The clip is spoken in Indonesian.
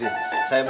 nepetin saya terusin